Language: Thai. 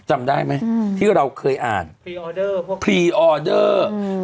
จำได้ไหมอืมที่เราเคยอ่านพรีออเดอร์พวกพรีออเดอร์อืม